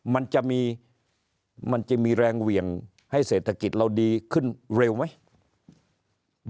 มันจะมีมันจะมีแรงเหวี่ยงให้เศรษฐกิจเราดีขึ้นเร็วไหม